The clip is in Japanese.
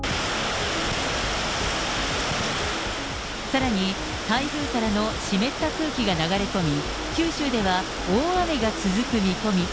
さらに、台風からの湿った空気が流れ込み、九州では大雨が続く見込み。